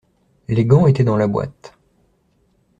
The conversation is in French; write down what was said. Les gants étaient dans la boîte.